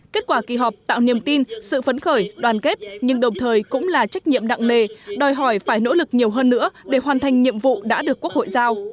kết quả kỳ họp tạo niềm tin sự phấn khởi đoàn kết nhưng đồng thời cũng là trách nhiệm nặng nề đòi hỏi phải nỗ lực nhiều hơn nữa để hoàn thành nhiệm vụ đã được quốc hội giao